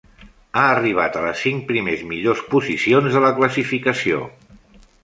Ha arribat a les cinc primers millors posicions de la classificació.